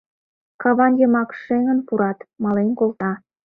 Каван йымак шеҥын пурат, мален колта.